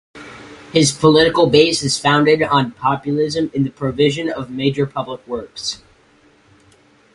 His political base is founded on populism and the provision of major public works.